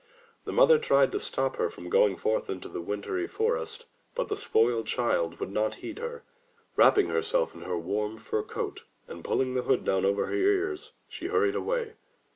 *' The mother tried to stop her from going forth into the win try forest. But the spoiled child would not heed her. Wrap ping herself in her warm fur coat, and pulling the hood down over her ears, she hurried away.